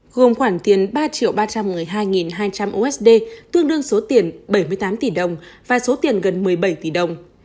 gồm khoản tiền ba triệu ba trăm một mươi hai hai trăm linh usd tương đương số tiền bảy mươi tám tỷ đồng và số tiền gần một mươi bảy tỷ đồng